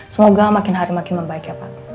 semoga makin hari makin membaik ya pak